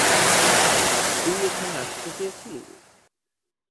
তুই এখানে আসতে চেয়েছিলি?